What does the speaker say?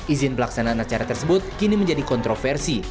izin pelaksanaan acara tersebut kini menjadi kontroversi